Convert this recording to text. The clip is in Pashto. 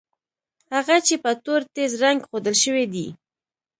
هغه چې په تور تېز رنګ ښودل شوي دي.